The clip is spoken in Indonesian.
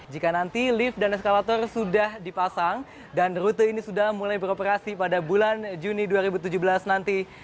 jika nanti lift dan eskalator sudah dipasang dan rute ini sudah mulai beroperasi pada bulan juni dua ribu tujuh belas nanti